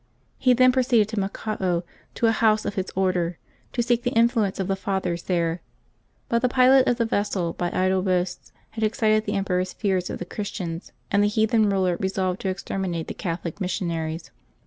He then proceeded to Macao, to a house of his Order, to seek the influence of the Fathers there; but the pilot of the vessel by idle boasts had excited the emperor's fears of the Christians, and the heathen ruler resolved to exterminate the Catholic missionaries.